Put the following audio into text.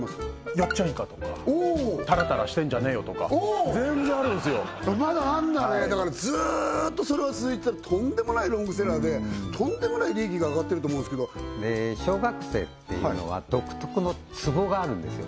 よっちゃんイカとかタラタラしてんじゃねよとか全然あるんすよまだあんだねだからずーっとそれは続いてとんでもないロングセラーでとんでもない利益があがってると思うんですけど小学生っていうのは独特のツボがあるんですよ